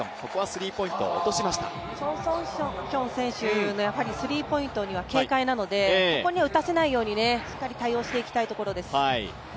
チョン・ソンヒョン選手のスリーポイントには警戒なので、ここに打たせないようにしっかり対応していきたいところです。